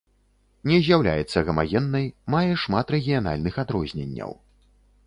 Не з'яўляецца гамагеннай, мае шмат рэгіянальных адрозненняў.